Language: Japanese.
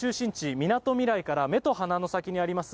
みなとみらいから目と鼻の先にあります